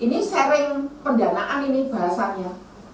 ini sharing pendanaan ini bahasanya